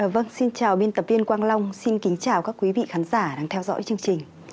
vâng xin chào biên tập viên quang long xin kính chào các quý vị khán giả đang theo dõi chương trình